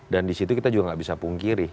dan di situ kita juga nggak bisa pungkiri